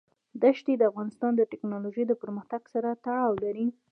دښتې د افغانستان د تکنالوژۍ پرمختګ سره تړاو لري.